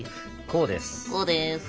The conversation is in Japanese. こうです。